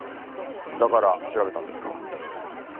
だから調べたんですか？